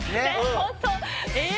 ホントえっ